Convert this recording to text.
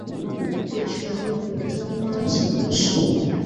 顾全武终官指挥使。